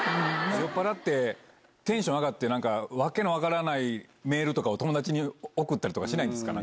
酔っぱらって、テンション上がって、なんか訳の分からないメールとかを友達に送ったりとかしないんですか？